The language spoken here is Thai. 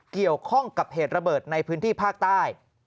เกี่ยวข้องกับเหตุระเบิดในพื้นที่ภาคใต้